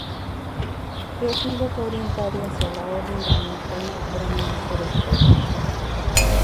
Teófilo fue orientado hacia la Orden dominicana por el maestro del pueblo.